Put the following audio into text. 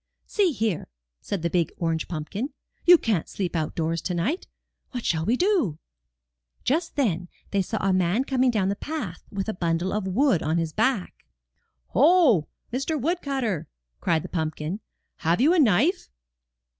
*'See here," said the big orange pumpkin, ''you can't sleep outdoors to night. What shall we do?" Just then they saw a man coming along the path with a bundle of wood on his back. '*Ho, Mr. Woodcut ter!" cried the pumpkin, have you a knife?"